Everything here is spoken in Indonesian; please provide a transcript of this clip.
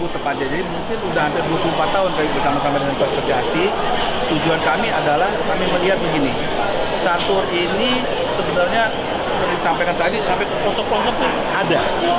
sebenarnya seperti disampaikan tadi sampai ke pelosok pelosok itu ada